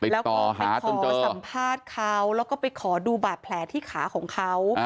แล้วก็ให้ขอสัมภาษณ์เขาแล้วก็ไปขอดูบาดแผลที่ขาของเขา